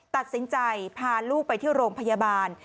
ตัดสินใจพาลูกไปที่โรงพยาบาล